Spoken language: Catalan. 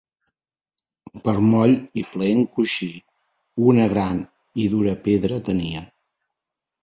Per moll i plaent coixí, una gran i dura pedra tenia.